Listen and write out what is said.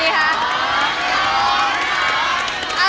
เอา๒